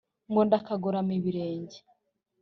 ngo ndakagorama ibirenge